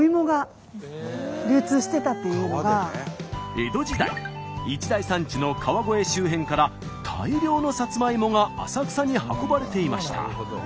江戸時代一大産地の川越周辺から大量のさつまいもが浅草に運ばれていました。